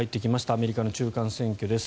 アメリカの中間選挙です。